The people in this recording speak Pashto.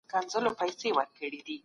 تېر تاريخ د هېواد لویه پانګه ده.